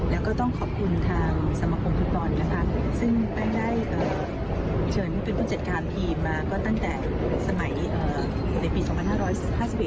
แล้วก็ต้องขอบคุณทางสมคมฟุตบอลนะคะซึ่งแป้งได้เชิญผู้เป็นผู้จัดการทีมมาก็ตั้งแต่สมัยในปี๒๕๕๑